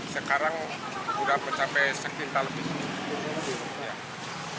sekarang sudah mencapai sekitar lebih